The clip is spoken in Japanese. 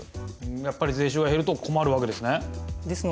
やっぱり税収が減ると困るわけですね。